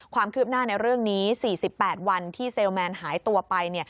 ความคืบหน้าในเรื่องนี้๔๘วันที่เซลแมนหายตัวไป